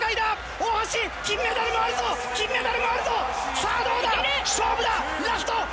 大橋悠依、金メダル！